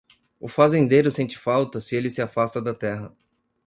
O fazendeiro sente falta se ele se afasta da terra.